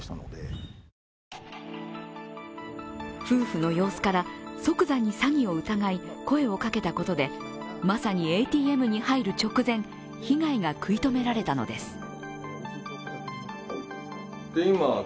夫婦の様子から、即座に詐欺を疑い声をかけたことでまさにＡＴＭに入る直前、被害が食い止められたのです。